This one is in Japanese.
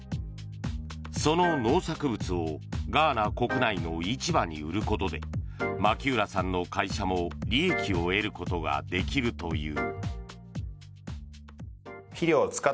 その農作物をガーナ国内の市場に売ることで牧浦さんの会社も利益を得ることができるという。